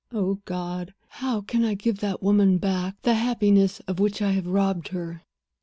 "Oh, God, how can I give that woman back the happiness of which I have robbed her!"